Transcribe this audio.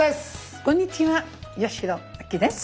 こんにちは八代亜紀です。